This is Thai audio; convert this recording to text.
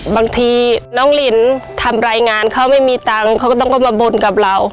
บางทีน้องลินทำรายงานเขาไม่มีตังค์เขาก็ต้องเข้ามาบนกับเรา